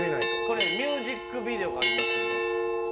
これミュージックビデオがありますんで。